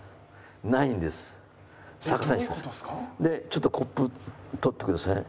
ちょっとコップ取ってください。